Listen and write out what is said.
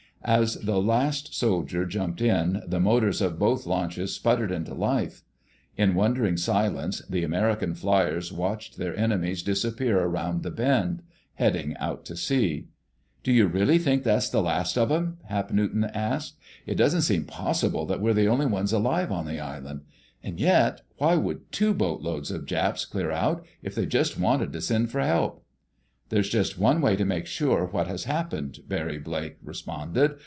As the last soldier jumped in, the motors of both launches sputtered into life. In wondering silence the American fliers watched their enemies disappear around the bend, heading out to sea. "Do you really think that's the last of 'em?" Hap Newton asked. "It doesn't seem possible that we're the only ones alive on the island. And yet, why would two boatloads of Japs clear out if they just wanted to send for help?" "There's just one way to make sure what has happened," Barry Blake responded.